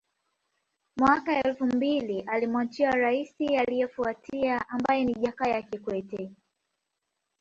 Mwaka elfu mbili alimwachia Raisi aliefuatia ambaye ni Jakaya Kikwete